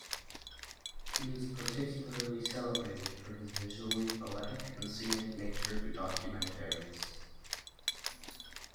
He was particularly celebrated for his visually poetic and scenic nature documentaries.